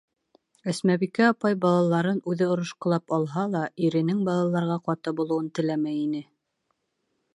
Әсмәбикә апай балаларын үҙе орошҡолап алһа ла, иренең балаларға ҡаты булыуын теләмәй ине.